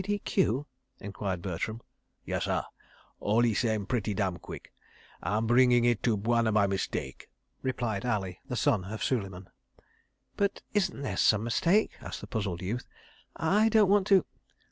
"P.D.Q.?" enquired Bertram. "Yessah, all 'e same 'pretty dam quick'—and bringing it to Bwana by mistake," replied Ali, the son of Suleiman. "But isn't there some mistake?" asked the puzzled youth. "I don't want to